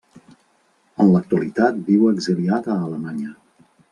En l'actualitat viu exiliat a Alemanya.